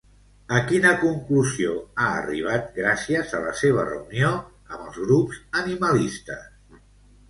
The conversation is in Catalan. A quina conclusió ha arribat gràcies a la seva reunió amb els grups animalistes?